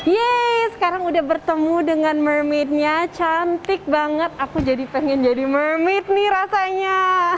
yeay sekarang udah bertemu dengan mermaidnya cantik banget aku jadi pengen jadi mermaid nih rasanya